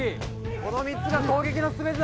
この３つが攻撃の全てだ！